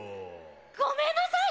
ごめんなさい！